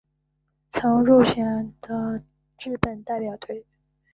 曾入选过的日本代表队。